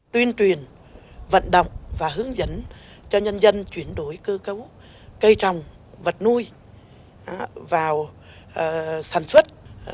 tuyên truyền vận động và hướng dẫn cho nhân dân chuyển đổi cơ cấu cây trồng vật nuôi vào sản xuất